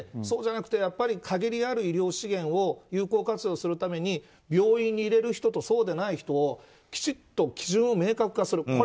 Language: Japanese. そうじゃなくて限りある医療資源を有効活用するために病院に入れる人とそうでない人をきちっと基準を明確化する。